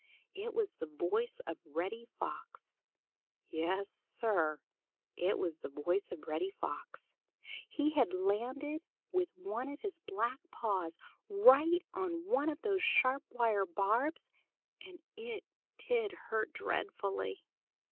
It was the voice of Reddy Fox. Yes, Sir, it was the voice of Reddy Fox. He had landed with one of his black paws right on one of those sharp wire barbs, and it did hurt dreadfully.